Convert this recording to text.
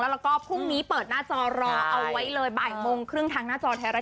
แล้วก็พรุ่งนี้เปิดหน้าจอรอเอาไว้เลยบ่ายโมงครึ่งทางหน้าจอไทยรัฐ